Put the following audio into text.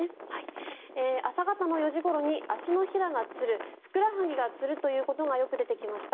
朝方の４時ごろに足のひらがつるふくらはぎがつるということがよく出てきました。